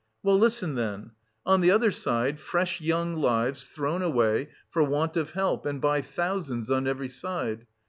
"Well, listen then. On the other side, fresh young lives thrown away for want of help and by thousands, on every side!